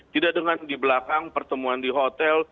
tidak dengan di belakang pertemuan di hotel